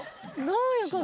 どういう事？